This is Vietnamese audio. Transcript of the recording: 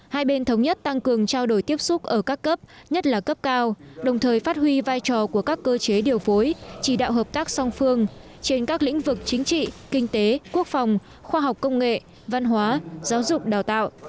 hai bên thống nhất tăng cường trao đổi tiếp xúc ở các cấp nhất là cấp cao đồng thời phát huy vai trò của các cơ chế điều phối chỉ đạo hợp tác song phương trên các lĩnh vực chính trị kinh tế quốc phòng khoa học công nghệ văn hóa giáo dục đào tạo